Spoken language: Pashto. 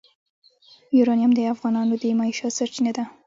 یورانیم د افغانانو د معیشت سرچینه ده.